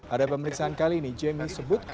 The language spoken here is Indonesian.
ada pemeriksaan kali ini jemi sebut